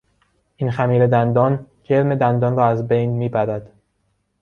این خمیر دندان جرم دندان را از بین میبرد.